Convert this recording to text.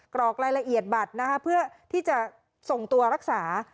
กรอกรายละเอียดบัตรนะคะเพื่อที่จะส่งตัวรักษา